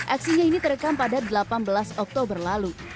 aksinya ini terekam pada delapan belas oktober lalu